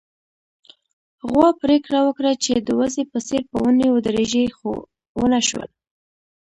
غوا پرېکړه وکړه چې د وزې په څېر په ونې ودرېږي، خو ونه شول